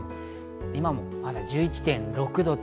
今もまだ１１．６度。